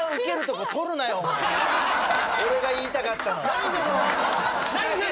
俺が言いたかったのに。